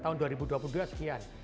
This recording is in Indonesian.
tahun dua ribu dua puluh dua sekian